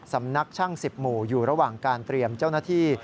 สำนักช่าง๑๐หมู่อยู่ระหว่างการเตรียมเจ้าหน้าที่